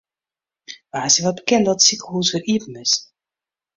Woansdei waard bekend dat it sikehûs wer iepen is.